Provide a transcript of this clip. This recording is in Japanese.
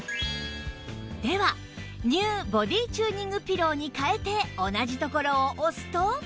では ＮＥＷ ボディチューニングピローに替えて同じところを押すと